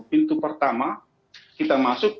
pintu pertama kita masuk